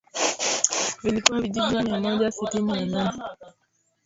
Vilikuwa vijiji mia moja sitini na nane